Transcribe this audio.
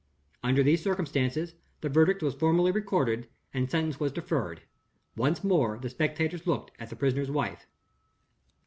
Under these circumstances, the verdict was formally recorded, and sentence was deferred. Once more, the spectators looked at the prisoner's wife.